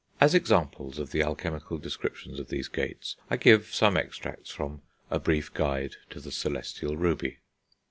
As examples of the alchemical description of these gates, I give some extracts from A Brief Guide to the Celestial Ruby.